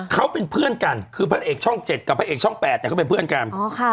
เขาเป็นเพื่อนกันคือพระเอกช่องเจ็ดกับพระเอกช่อง๘เนี่ยเขาเป็นเพื่อนกัน